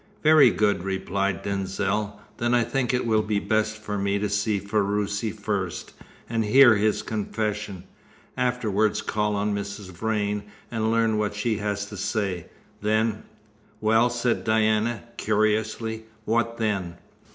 "Very good," replied Denzil. "Then I think it will be best for me to see Ferruci first, and hear his confession; afterwards call on Mrs. Vrain, and learn what she has to say. Then " "Well," said Diana, curiously, "what then?"